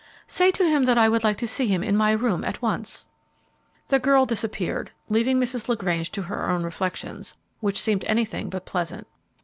"Say to him that I would like to see him in my room at once." The girl disappeared, leaving Mrs. LaGrange to her own reflections, which seemed anything but pleasant.